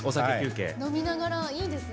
飲ながら、いいですね。